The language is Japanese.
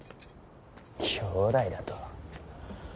兄弟だと？